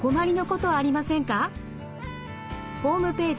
ホームページ